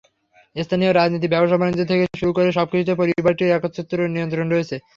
স্থানীয় রাজনীতি, ব্যবসা-বাণিজ্য থেকে শুরু করে সবকিছুতেই পরিবারটির একচ্ছত্র নিয়ন্ত্রণ রয়েছে।